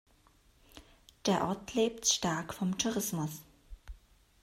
Der Ort lebt stark vom Tourismus.